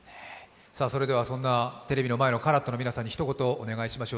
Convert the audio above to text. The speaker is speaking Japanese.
そんなテレビの前のＣＡＲＡＴの皆さんに一言お願いしましょう。